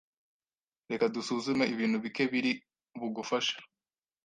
Reka dusuzume ibintu bike biri bugufashe